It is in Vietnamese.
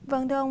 vâng thưa ông